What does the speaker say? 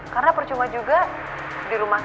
karena percuma juga di rumah sakit